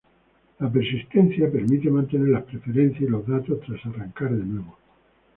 La persistencia permite mantener las preferencias y los datos tras arrancar de nuevo.